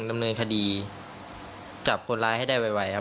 ดำเนินคดีจับคนร้ายให้ได้ไวครับ